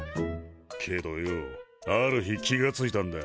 けどよある日気が付いたんだ。